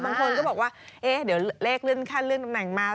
บางคนก็บอกว่าเอ๊ะเดี๋ยวเลขเลื่อนขั้นเลื่อนตำแหน่งมา